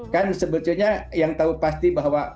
kan sebetulnya yang tahu pasti bahwa